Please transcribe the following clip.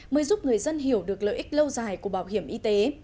mới giúp người dân hiểu được lợi ích lâu dài của bảo hiểm y tế